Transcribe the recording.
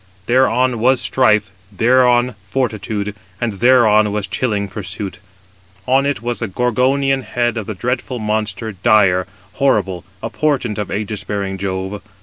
Thereon was Strife, thereon Fortitude, and thereon was chilling Pursuit; 228 on it was the Gorgonian head of the dreadful monster, dire, horrible, a portent of ægis bearing Jove.